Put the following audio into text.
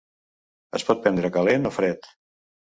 Es pot prendre calent o fred.